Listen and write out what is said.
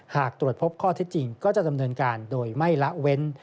หากตรวจพบข้อเท็จจริงก็จะดำเนินการโดยไม่ละเว้น